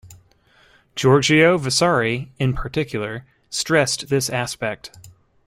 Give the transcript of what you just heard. Giorgio Vasari, in particular, stressed this aspect.